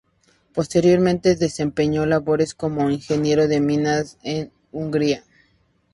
Posteriormente desempeñó labores como ingeniero de minas en Hungría.